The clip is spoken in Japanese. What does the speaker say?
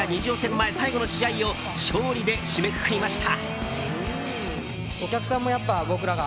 前最後の試合を勝利で締めくくりました。